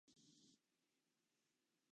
真面目な状況